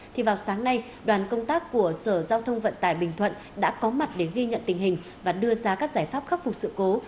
thì vào sáng nay đoàn công tác của sở giao thông vận tải bình thuận đã có mặt để ghi nhận tình hình và đưa ra các giải pháp khắc phục sự cố